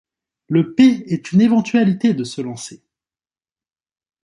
Le P est une éventualité de ce lancer.